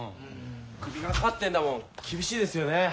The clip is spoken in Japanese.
クビがかかってんだもん厳しいですよね。